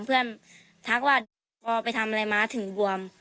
เพื่อนทักว่าต้นคอไปทำอะไรมาถึงบวม